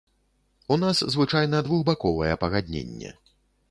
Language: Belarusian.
У нас звычайна двухбаковае пагадненне.